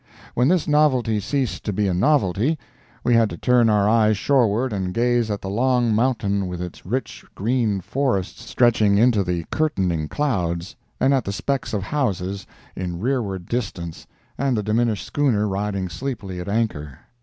When this novelty ceased to be a novelty, we had to turn our eyes shoreward and gaze at the long mountain with its rich green forests stretching up into the curtaining clouds, and at the specks of houses in rearward distance and the diminished schooner riding sleepily at anchor.